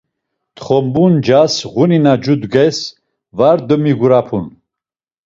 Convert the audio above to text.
Txombu ncas ğuni na cudges var demigurapun.